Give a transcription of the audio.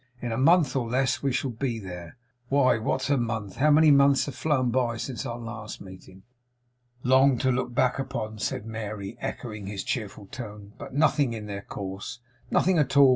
In a month, or less, we shall be there. Why, what's a month! How many months have flown by, since our last parting!' 'Long to look back upon,' said Mary, echoing his cheerful tone, 'but nothing in their course!' 'Nothing at all!